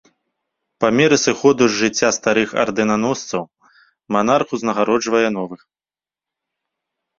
Па меры сыходу з жыцця старых ардэнаносцаў манарх узнагароджвае новых.